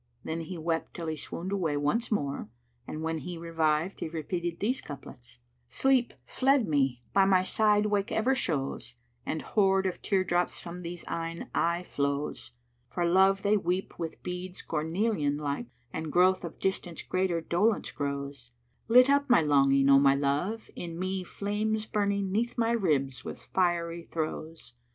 Then he wept till he swooned away once more and when he revived he repeated these couplets, "Sleep fled me, by my side wake ever shows * And hoard of tear drops from these eyne aye flows; For love they weep with beads cornelian like * And growth of distance greater dolence grows: Lit up my longing, O my love, in me * Flames burning 'neath my ribs with fiery throes!